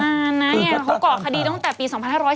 เขาก่อคดีตั้งแต่ปี๒๕๔๖